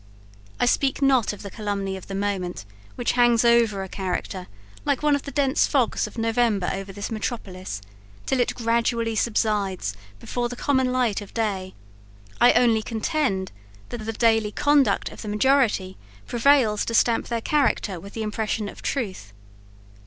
I speak not of the calumny of the moment, which hangs over a character, like one of the dense fogs of November over this metropolis, till it gradually subsides before the common light of day, I only contend, that the daily conduct of the majority prevails to stamp their character with the impression of truth.